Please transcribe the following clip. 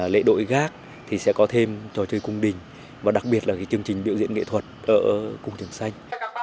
lễ đội gác thì sẽ có thêm trò chơi cung đình và đặc biệt là chương trình biểu diễn nghệ thuật ở cung trường xanh